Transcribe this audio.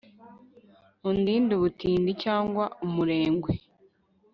undinde ubutindi cyangwa umurengwe